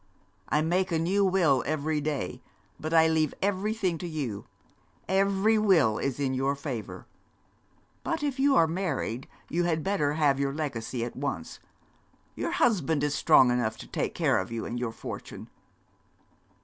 I make a new will every day, but I leave everything to you every will is in your favour. But if you are married you had better have your legacy at once. Your husband is strong enough to take care of you and your fortune.'